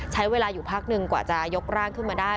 ใช้เวลาอยู่พักหนึ่งกว่าจะยกร่างขึ้นมาได้